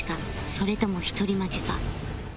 それとも一人負けか？